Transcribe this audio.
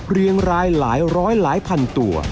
เรียงรายหลายร้อยหลายพันตัว